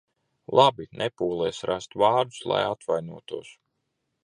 Labi, nepūlies rast vārdus, lai atvainotos.